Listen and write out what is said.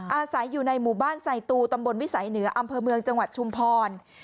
อาศัยอยู่ในหมู่บ้านไซตูตำบลวิสัยเหนืออำเภอเมืองจังหวัดชุมพร